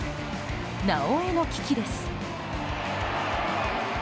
「なおエ」の危機です。